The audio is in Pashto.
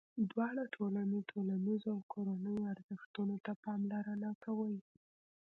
دواړه ټولنې ټولنیزو او کورنیو ارزښتونو ته پاملرنه کوي.